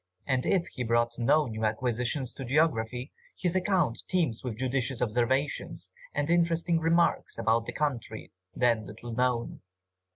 And if he brought no new acquisition to geography, his account teams with judicious observations, and interesting remarks about a country then little known.